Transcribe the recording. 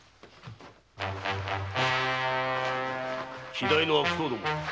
希代の悪党ども。